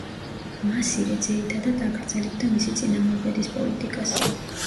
მასირე ძირითადად აგრძელებდა მისი წინამორბედის პოლიტიკას.